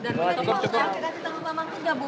dan berarti mau kekati kati dengan pak mangkun gak bu